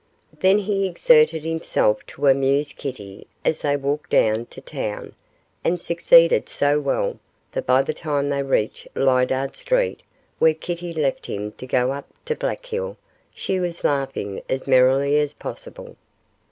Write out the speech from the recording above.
Then he exerted himself to amuse Kitty as they walked down to town, and succeeded so well that by the time they reached Lydiard Street, where Kitty left him to go up to Black Hill, she was laughing as merrily as possible.